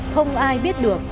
không ai biết được